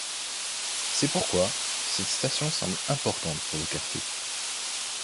C'est pourquoi cette station semble importante pour le quartier.